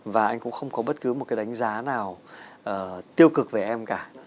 và anh cũng không có bất cứ một cái đánh giá nào tiêu cực về em cả